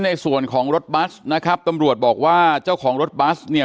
ในส่วนของรถบัสนะครับตำรวจบอกว่าเจ้าของรถบัสเนี่ย